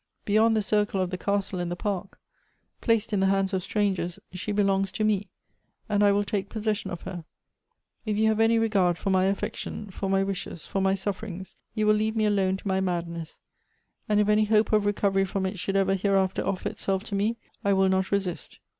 Beyond the circle of. the castle and the park, placed in the hands of strangers, she belongs to me, and I will take possession of her ! If you have any regard for my affection, for my wishes, for my sufferings, you will leave me alone to my madness : and if any liope of recov ery from it should ever hereafter offer itself to me I will not resist."